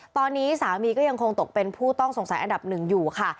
ตอนนี้สามีก็ยังคงตกเป็นผู้ต้องสงสัยอันดับหนึ่งอยู่ค่ะ